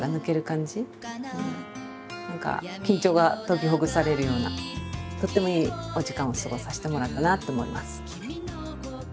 何か緊張が解きほぐされるようなとってもいいお時間を過ごさせてもらったなと思います。